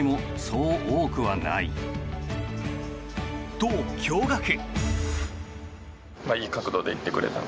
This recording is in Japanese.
と、驚がく。